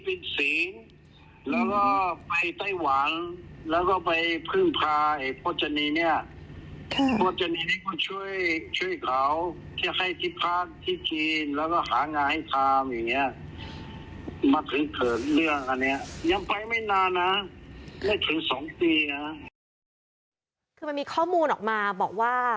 ยังไปไม่นานน่ะไม่ถึงสองปีน่ะคือมันมีข้อมูลออกมาบอกว่า